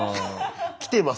来てます